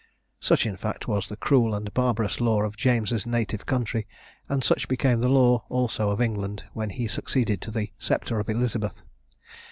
Such, in fact, was the cruel and barbarous law of James's native country; and such became the law also of England, when he succeeded to the sceptre of Elizabeth.